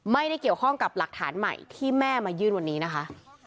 ไม่ได้เกี่ยวข้องกับหลักฐานใหม่ที่แม่มายื่นวันนี้นะคะ